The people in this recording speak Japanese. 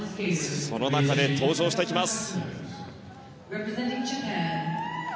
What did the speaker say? その中で登場していきます。